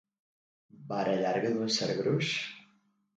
Vara llarga d'un cert gruix.